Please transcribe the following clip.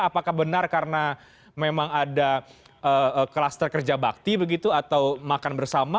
apakah benar karena memang ada kluster kerja bakti begitu atau makan bersama